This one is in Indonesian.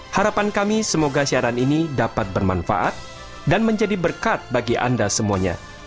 harapan kami semoga siaran ini dapat bermanfaat dan menjadi berkat bagi anda semuanya